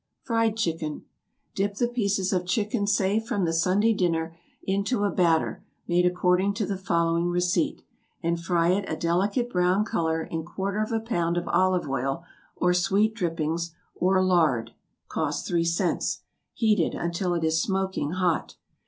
=Fried Chicken.= Dip the pieces of chicken saved from the Sunday dinner into a batter made according to the following receipt, and fry it a delicate brown color in quarter of a pound of olive oil or sweet drippings, or lard, (cost three cents,) heated until it is smoking hot.